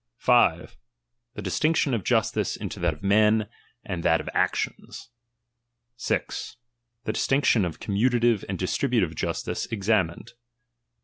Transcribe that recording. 5. The distinction of justice into that of men, and that of actions. 6. The dbtinction of commutative and distributive justice examined.